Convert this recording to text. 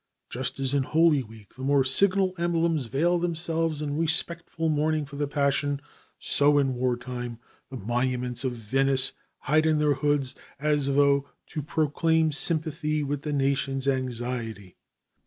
Just as in Holy Week the more signal emblems veil themselves in respectful mourning for the Passion, so, in war time, the monuments of Venice hide in their hoods, as though to proclaim sympathy with the nation's anxiety.